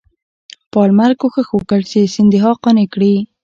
پالمر کوښښ وکړ چې سیندهیا قانع کړي.